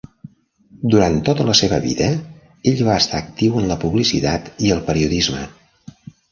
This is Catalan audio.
Durant tota la seva vida, ell va estar actiu en la publicitat i el periodisme.